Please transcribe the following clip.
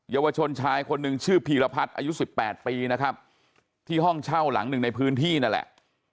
เยาวชนชายคนหนึ่งชื่อพีรพัฒน์อายุสิบแปดปีนะครับที่ห้องเช่าหลังหนึ่งในพื้นที่นั่นแหละ